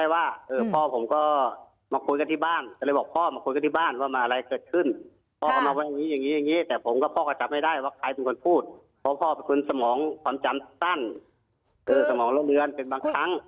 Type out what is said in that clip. คือสมองร่วมเรือน